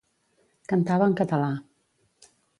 Cantava en català.